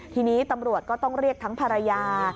ทีนี้ตำรวจก็ต้องเรียกทั้งภรรยา